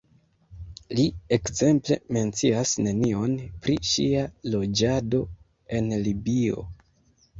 Li, ekzemple, mencias nenion pri ŝia loĝado en Libio.